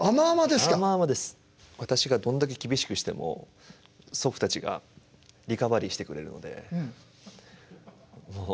私がどんだけ厳しくしても祖父たちがリカバリーしてくれるのでもう